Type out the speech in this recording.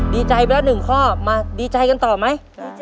ดีใจเค้าเลยนะครับมาดีใจกันต่อมั้ย